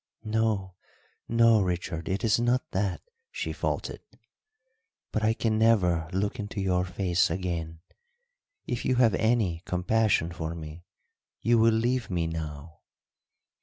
"No, no, Richard, it is not that," she faltered. "But I can never look into your face again. If you have any compassion for me you will leave me now."